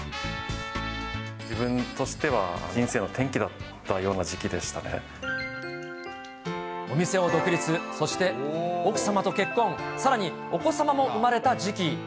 自分としては人生の転機だっお店を独立、そして奥様と結婚、さらにお子様も産まれた時期。